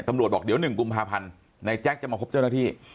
ตำรวจบอกเดี๋ยว๑กุมภาพันธ์ในแจ๊คจะมาพบเจ้าหน้าที่